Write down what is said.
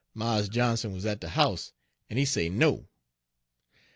Mars Johnson wuz at de house, and he say no.